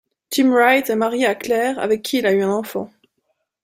Tim Wright est marié à Claire avec qui il a eu un enfant.